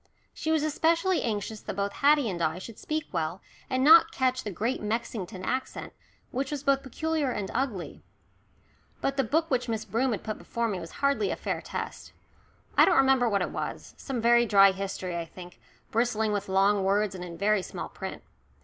She was especially anxious that both Haddie and I should speak well, and not catch the Great Mexington accent, which was both peculiar and ugly. But the book which Miss Broom had put before me was hardly a fair test. I don't remember what it was some very dry history, I think, bristling with long words, and in very small print.